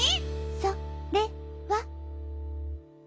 「それは」。